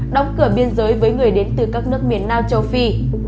đóng cửa biên giới với người đến từ các nước miền nam châu phi